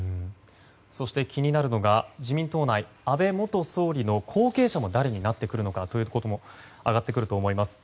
そして気になるのが自民党内、安倍元総理の後継者は誰になってくるのかということも挙がってくると思います。